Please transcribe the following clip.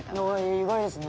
意外ですね。